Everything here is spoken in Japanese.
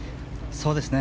そうですね。